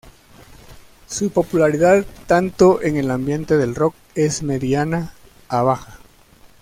Su popularidad tanto en el ambiente del rock es mediana a baja.